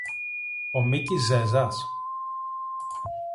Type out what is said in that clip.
Ο Μίκης Ζέζας;